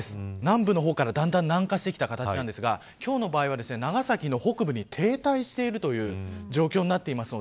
南部の方からだんだん南下してきた感じなんですが今日の場合は長崎の北部に停滞しているという状況になっています。